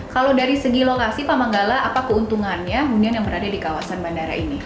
kalau dari segi lokasi pak manggala apa keuntungannya hunian yang berada di kawasan bandara ini